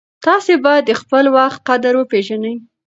تاسې باید د خپل وخت قدر وپېژنئ.